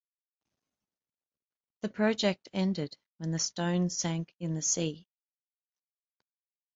The project ended when the stone sank in the sea.